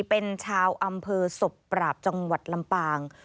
เป็นชาวอำเภอศพปราบจังหวัดลำปาง